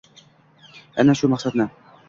Aynan shu maqsadni